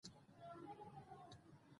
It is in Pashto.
جمال خان چې د ډېوې مشر ورور و